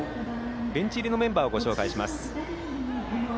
ベンチ入りメンバーご紹介します。